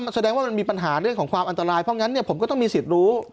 แสดงว่ามันมีปัญหาเรื่องของความอันตรายเพราะงั้นผมก็ต้องมีสิทธิ์รู้